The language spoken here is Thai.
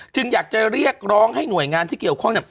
อยากจะเรียกร้องให้หน่วยงานที่เกี่ยวข้องเนี่ย